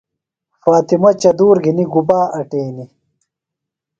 فاطمہ چدُور گِھنیۡ گُبا اٹینیۡ؟